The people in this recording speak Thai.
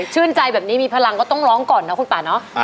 ชื่นใจแบบนี้มีพลังก็ต้องร้องก่อนนะคุณป่าเนาะ